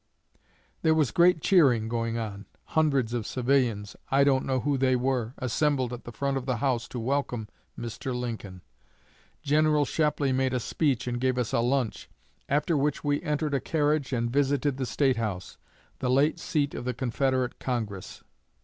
There was great cheering going on. Hundreds of civilians I don't know who they were assembled at the front of the house to welcome Mr. Lincoln. General Shepley made a speech and gave us a lunch, after which we entered a carriage and visited the State House the late seat of the Confederate Congress.